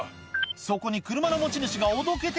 そこに車の持ち主がおどけて